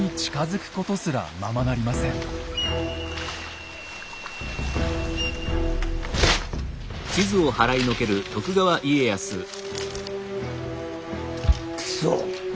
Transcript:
くそ！